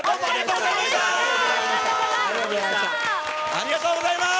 ありがとうございます。